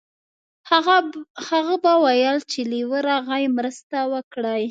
هغه به ویل چې لیوه راغی مرسته وکړئ.